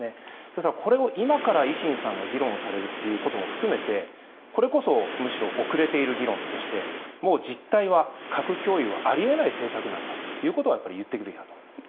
ただ、これを今から維新さんは議論されるということも含めてこれこそ遅れている議論でしてもう実態は核共有はあり得ない政策なんだということは言っていくべきだと思います。